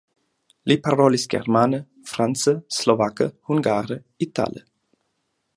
Li parolis germane, france, slovake, hungare, itale.